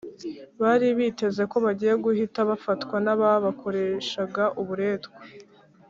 bari biteze ko bagiye guhita bafatwa n’ababakoreshaga uburetwa,